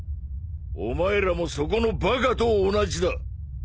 お前らもそこのバカと同じだ。